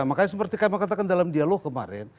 makanya seperti yang saya katakan dalam dialog kemarin